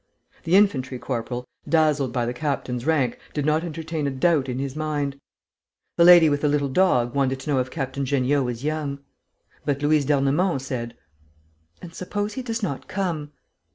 The infantry corporal, dazzled by the captain's rank, did not entertain a doubt in his mind. The lady with the little dog wanted to know if Captain Jeanniot was young. But Louise d'Ernemont said: "And suppose he does not come?"